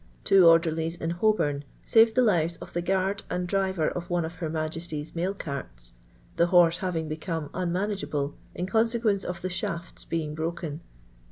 Twu orderhes in Hciilvjm ^arctl the lives of the guard and driver uf one of ilcr M. ^e^ly'« mail carts, tne horse having become un niunageable in cnnseaucnec of the shafts being broken.